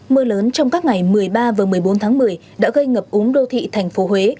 mưa lớn trong các ngày một mươi ba và một mươi bốn tháng một mươi đã gây ngập úng đô thị thành phố huế